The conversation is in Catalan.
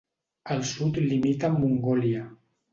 Al sud limita amb Mongòlia.